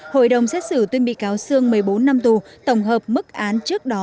hội đồng xét xử tuyên bị cáo sương một mươi bốn năm tù tổng hợp mức án trước đó